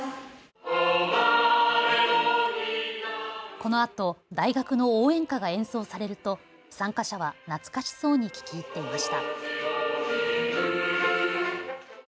このあと大学の応援歌が演奏されると参加者は懐かしそうに聞き入っていました。